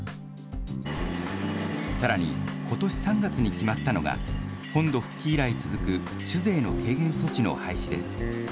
さらに、ことし３月に決まったのが、本土復帰以来続く酒税の軽減措置の廃止です。